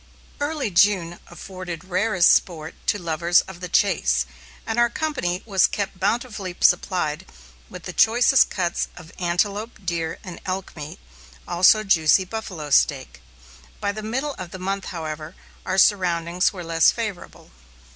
Early June afforded rarest sport to lovers of the chase, and our company was kept bountifully supplied with choicest cuts of antelope, deer, and elk meat, also juicy buffalo steak. By the middle of the month, however, our surroundings were less favorable.